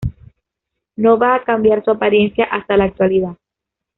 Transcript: No va a cambiar su apariencia hasta la actualidad.